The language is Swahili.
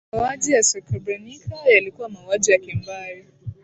mauaji ya srebrenica yalikuwa mauaji ya kimbari